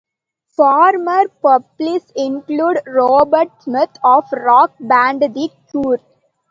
Former pupils include Robert Smith of rock band The Cure.